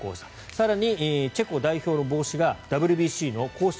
更にチェコ代表の帽子がＷＢＣの公式